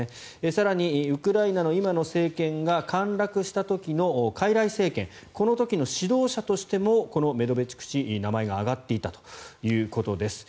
更に、ウクライナの今の政権が陥落した時のかいらい政権この時の指導者としてもこのメドベチュク氏名前が挙がっていたということです。